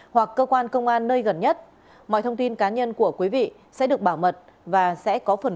hoặc cơ quan công an nơi gần nhất mọi thông tin cá nhân của quý vị sẽ được bảo mật và sẽ có phần